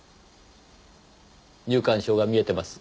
入館証が見えてます。